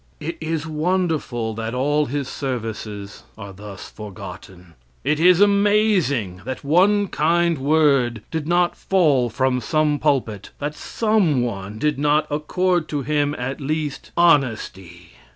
It is wonderful that all his services are thus forgotten. It is amazing that one kind word did not fall from some pulpit; that some one did not accord to him, at least honesty.